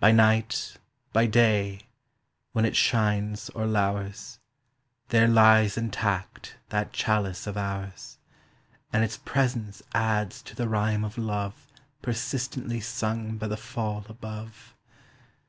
By night, by day, when it shines or lours, There lies intact that chalice of ours, And its presence adds to the rhyme of love Persistently sung by the fall above.